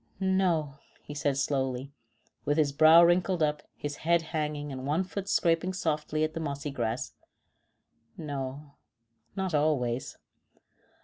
"No," he said slowly, with his brow wrinkled up, his head hanging and one foot scraping softly at the mossy grass. "No, not always."